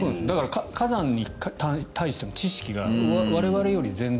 火山に対しての知識が我々より全然。